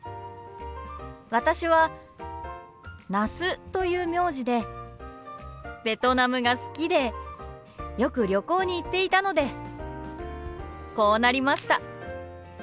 私は那須という名字でベトナムが好きでよく旅行に行っていたのでこうなりました。